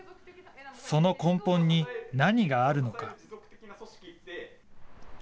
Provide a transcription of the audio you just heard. その根本に何があるのか。